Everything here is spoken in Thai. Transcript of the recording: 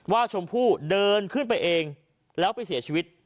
ชมพู่เดินขึ้นไปเองแล้วไปเสียชีวิต